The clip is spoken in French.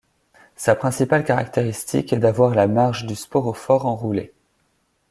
Sa principale caractéristique est d’avoir la marge du sporophore enroulée.